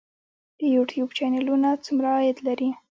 د یوټیوب چینلونه څومره عاید لري؟